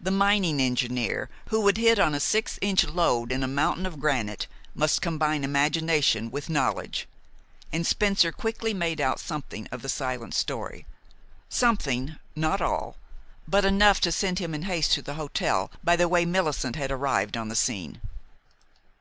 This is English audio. The mining engineer who would hit on a six inch lode in a mountain of granite must combine imagination with knowledge, and Spencer quickly made out something of the silent story, something, not all, but enough to send him in haste to the hotel by the way Millicent had arrived on the scene.